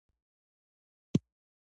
چې کاشکي مې درس ويلى وى